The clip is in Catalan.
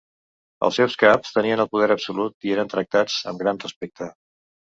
Els seus caps tenien el poder absolut i eren tractats amb gran respecte.